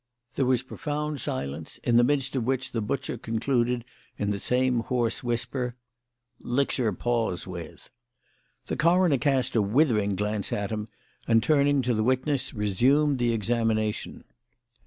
There was profound silence, in the midst of which the butcher concluded in the same hoarse whisper: " licks 'er paws with." The coroner cast a withering glance at him, and turning to the witness, resumed the examination.